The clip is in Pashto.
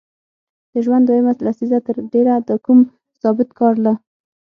د ژوند دویمه لسیزه تر ډېره د کوم ثابت کار له